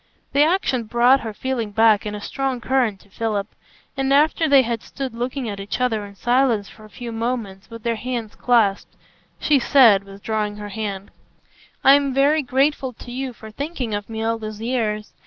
The action brought her feeling back in a strong current to Philip; and after they had stood looking at each other in silence for a few moments, with their hands clasped, she said, withdrawing her hand: "I'm very grateful to you for thinking of me all those years.